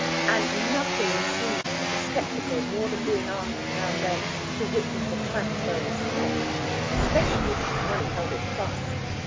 And nothing soothes the sceptical more than being asked now and again to witness a transfer of stock, especially if it is money held in trust.